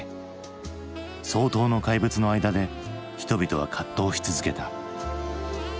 双頭の怪物の間で人々は葛藤し続けた。